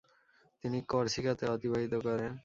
তিনি করসিকাতে অতিবাহিত করেন।